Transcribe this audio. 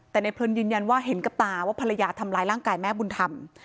แต่ในเพลินยืนยันว่าเห็นกับตาว่าภรรยาทำร้ายร่างกายแม่บุญธรรม